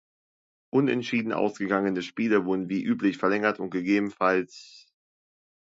Unentschieden ausgegangene Spiele wurden wie üblich verlängert und ggf.